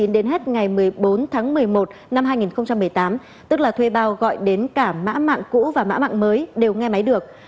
đến hết ngày một mươi bốn tháng một mươi một năm hai nghìn một mươi tám tức là thuê bao gọi đến cả mã mạng cũ và mã mạng mới đều nghe máy được